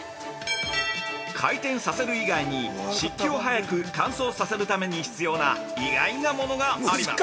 回転させる以外に漆器を早く乾燥させるために必要な意外な物があります。